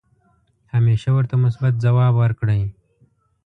همیشه ورته مثبت ځواب ورکړئ .